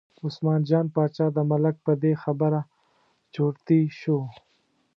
عثمان جان باچا د ملک په دې خبره چرتي شو.